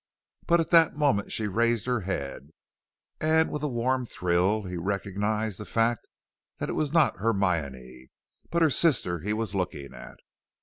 But at that moment she raised her head, and with a warm thrill he recognized the fact that it was not Hermione, but the sister he was looking at.